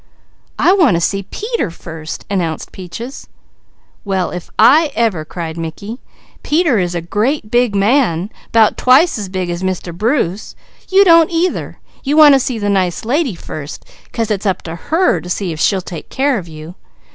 "I want to see Peter first!" announced Peaches. "Well if I ever!" cried Mickey. "Peter is a great big man, 'bout twice as big as Mr. Bruce. You don't either! You want to see the nice lady first, 'cause it's up to her to say if she'll take care of you.